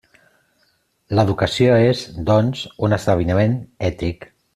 L'educació és, doncs, un esdeveniment ètic.